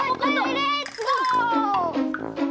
レッツゴー！